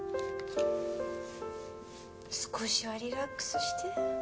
少しはリラックスしてフフッ。